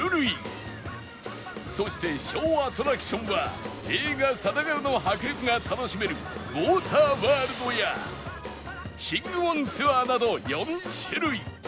そしてショーアトラクションは映画さながらの迫力が楽しめるウォーターワールドやシング・オン・ツアーなど４種類